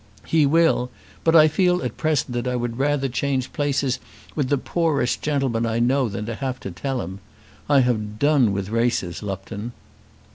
"He will. But I feel at present that I would rather change places with the poorest gentleman I know than have to tell him. I have done with races, Lupton."